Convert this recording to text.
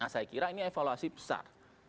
saya kira ini evaluasi besar